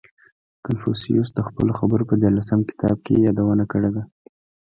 • کنفوسیوس د خپلو خبرو په دیارلسم کتاب کې یې یادونه کړې ده.